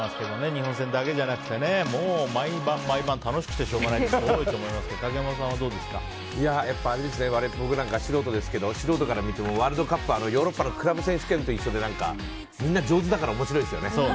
日本戦だけじゃなくてもう毎晩、毎晩楽しくてしょうがない人多いと思いますけどやっぱ、僕なんか素人ですけど素人から見てもワールドカップはヨーロッパのクラブ選手権と一緒でみんな上手だから面白いですよね。